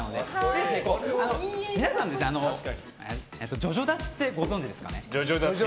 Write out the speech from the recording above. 皆さん、ジョジョ立ちってご存じですかね。